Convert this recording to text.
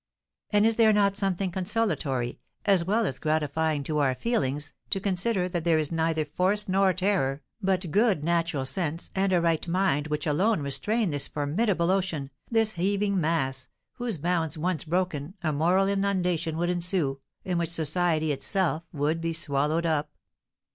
And is there not something consolatory, as well as gratifying to our feelings, to consider that it is neither force nor terror, but good natural sense and a right mind which alone restrain this formidable ocean, this heaving mass, whose bounds once broken, a moral inundation would ensue, in which society itself would be swallowed up?